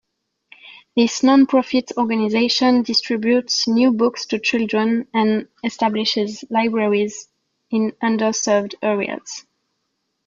This non-profit organization distributes new books to children and establishes libraries in under-served areas.